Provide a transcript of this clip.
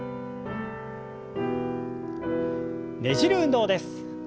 ねじる運動です。